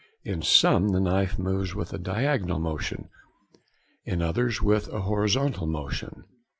In some the knife moves with a diagonal motion, in others with a horizontal motion.